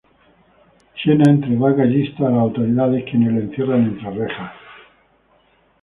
Xena entrega a Callisto a las autoridades, quienes la encierran entre rejas.